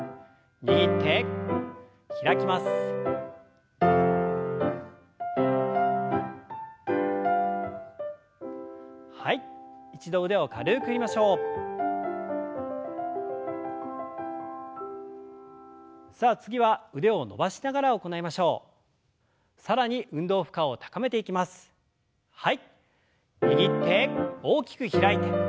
握って大きく開いて。